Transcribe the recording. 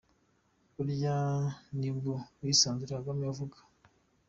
Burya se nibwo bwisanzure Kagame avuga?!